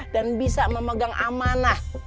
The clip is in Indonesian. dan bisa memegang amanah